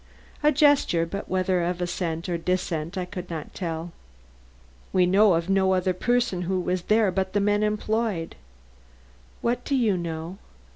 A gesture, but whether of assent or dissent I could not tell. "We know of no other person who was there but the men employed." _"What do you know?"